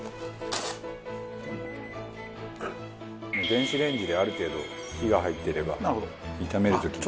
電子レンジである程度火が入っていれば炒める時に。